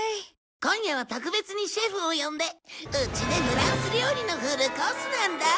今夜は特別にシェフを呼んでうちでフランス料理のフルコースなんだ！